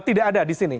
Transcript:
tidak ada di sini